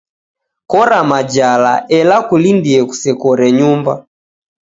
Kora majala, ela kulindie kusekore nyumba